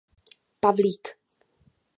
Pavlík.